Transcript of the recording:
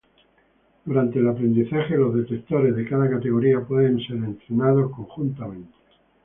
Durante el aprendizaje, los detectores de cada categoría pueden ser entrenados conjuntamente.